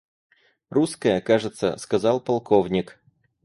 Русская, кажется, — сказал полковник.